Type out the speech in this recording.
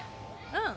うん！